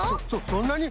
そんなに？